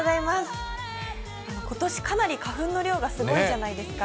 今年、かなり花粉の量がすごいじゃないですか。